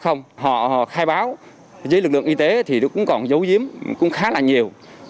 họ khai báo với lực lượng y tế thì cũng còn dấu diếm khá là nhiều